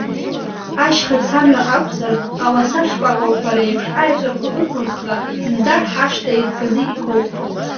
Ашьхацамҩа акәзар, ауаса шкәакәақәа реиԥш аеҵәақәа ықәыӷӷа, зынӡа ҳашҭа иҭганы игоуп.